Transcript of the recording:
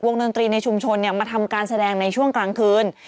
ดนตรีในชุมชนมาทำการแสดงในช่วงกลางคืน